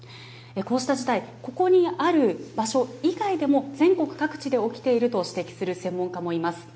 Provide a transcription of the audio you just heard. こうした事態、ここにある場所以外でも、全国各地で起きていると指摘する専門家もいます。